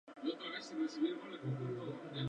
Así lo informó a ser la segunda incursión en una semana.